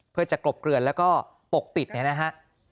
เพื่อจะกลบเกลือนแล้วก็ปกปิดเนี่ยนะฮะ